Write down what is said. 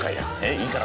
いいから」。